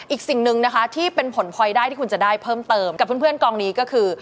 อีกสิ่งหนึ่งนะคะที่เป็นผลพลอยได้ที่คุณจะได้เพิ่มเติมกับเพื่อนกองนี้ก็คือ